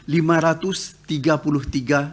rp lima ratus tiga puluh tiga